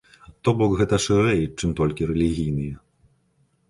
То бок, гэта шырэй, чым толькі рэлігійныя.